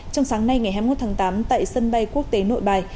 trong sáng nay ngày hai mươi một tháng tám tại sân bay quốc tế nội bài